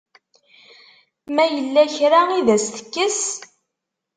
Ma yella kra i d as-tekkes?